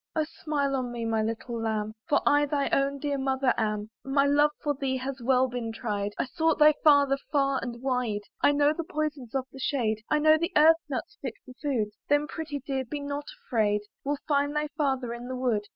Oh! smile on me, my little lamb! For I thy own dear mother am. My love for thee has well been tried: I've sought thy father far and wide. I know the poisons of the shade, I know the earth nuts fit for food; Then, pretty dear, be not afraid; We'll find thy father in the wood.